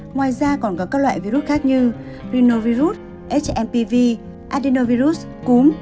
ngoài ra còn có các loại virus khác như rinovirus hmpv adenovirus cúm